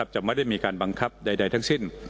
จะไม่ได้มีการบังคับใดทั้งสิ้น